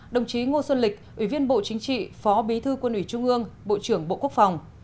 đồng chí ngô xuân lịch ủy viên bộ chính trị phó bí thư quân ủy trung ương bộ trưởng bộ quốc phòng